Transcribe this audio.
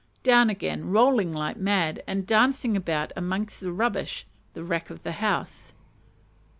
Down again, rolling like mad, and dancing about amongst the rubbish the wreck of the house.